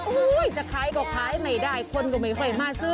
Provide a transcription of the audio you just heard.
โอ้โหจะขายก็ขายไม่ได้คนก็ไม่ค่อยมาซื้อ